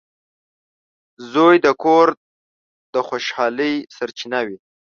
• زوی د کور د خوشحالۍ سرچینه وي.